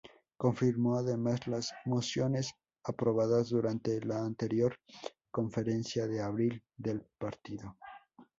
Confirmó además las mociones aprobadas durante la anterior conferencia de abril del partido.